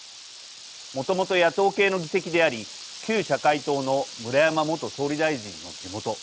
もともと野党系の議席であり旧社会党の村山元総理大臣の地元。